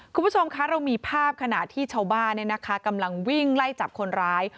คุณผู้ชมคะเรามีภาพขณะที่ชาวบ้านกำลังวิ่งไล่จับคนร้าย